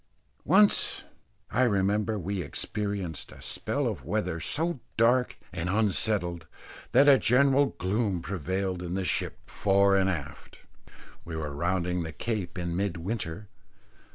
Once, I remember, we experienced a spell of weather so dark and unsettled, that a general gloom prevailed in the ship fore and aft. We were rounding the Cape in mid winter.